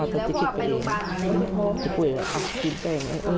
เราจะคิดไปเองจะกลุ่มบอกอ้าวกินแป้งไง